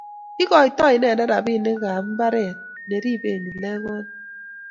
ikoitoi inende robinikab mbaret ne riben kiplekonik